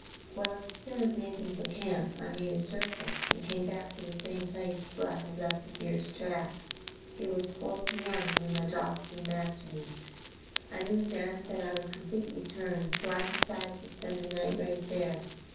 Well, instead of making for camp, I made a circle and came back to the same place where I had left the deer's track. It was 4 P. M., when my dogs came back to me. I knew then that I was completely turned so I decided to spend the night right there.